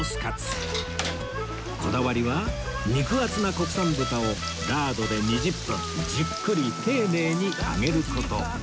こだわりは肉厚な国産豚をラードで２０分じっくり丁寧に揚げる事